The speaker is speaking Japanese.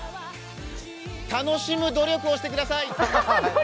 楽しむ努力をしてください！